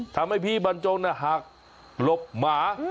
ทำให้พี่บันจงเนี่ยหักหลบหมา